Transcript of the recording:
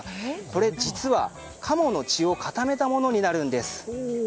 これ、実はカモの血を固めたものになるんです。